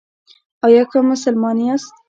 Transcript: ایا ښه مسلمان یاست؟